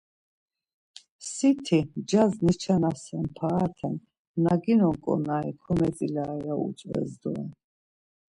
Siti ncas na niçanasen parape na ginon ǩonari kometzilare ya utzves doren.